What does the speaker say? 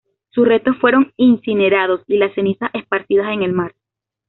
Sus restos fueron incinerados y las cenizas esparcidas en el mar.